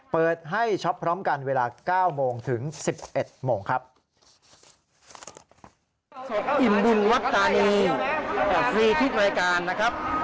เปิดให้ช็อปพร้อมกันเวลา๙โมงถึง๑๑โมงครับ